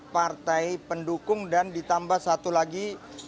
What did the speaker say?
partai pendukung dan ditambah satu lagi